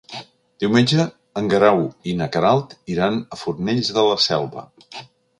Diumenge en Guerau i na Queralt iran a Fornells de la Selva.